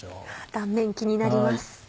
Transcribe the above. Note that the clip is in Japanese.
断面気になります。